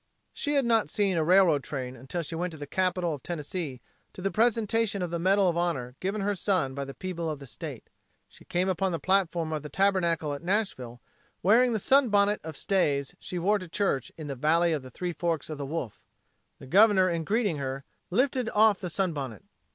She had not seen a railroad train until she went to the capital of Tennessee to the presentation of the medal of honor given her son by the people of the state. She came upon the platform of the Tabernacle at Nashville wearing the sunbonnet of stays she wore to church in the "Valley of the Three Forks o' the Wolf." The Governor in greeting her, lifted off the sunbonnet.